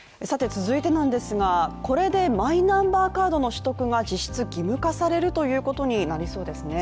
続いてなんですがこれでマイナンバーカードの取得が実質義務化されるということになりそうですね